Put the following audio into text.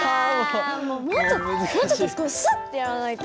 もうちょっともうちょっとこうスッてやらないと。